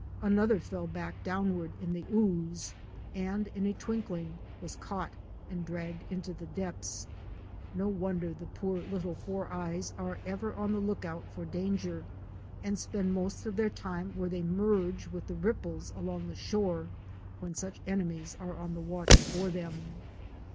Another fell back downward in the ooze, and in a twinkling was caught and dragged into the depths. No wonder the poor little four eyes are ever on the lookout for danger and spend most of their time where they merge with the ripples along the shore, when such enemies are on the watch for them!